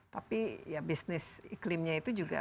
tapi ya bisnis iklimnya itu juga